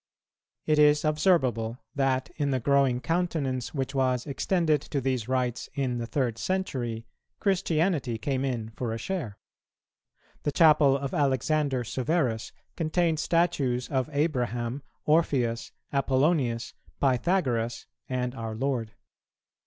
It is observable that, in the growing countenance which was extended to these rites in the third century, Christianity came in for a share. The chapel of Alexander Severus contained statues of Abraham, Orpheus, Apollonius, Pythagoras, and our Lord.